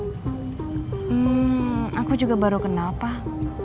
hmm aku juga baru kenal pak